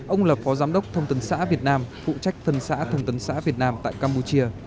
ông là phó giám đốc thông tấn xã việt nam phụ trách thân xã thông tấn xã việt nam tại campuchia